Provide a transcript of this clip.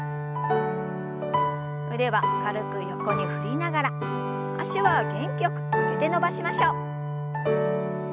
腕は軽く横に振りながら脚は元気よく曲げて伸ばしましょう。